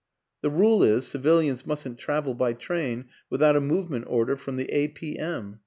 The rule is, civilians mustn't travel by train without a movement order from the A. P. M.